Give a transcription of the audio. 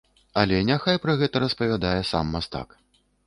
Але няхай пра гэта распавядае сам мастак.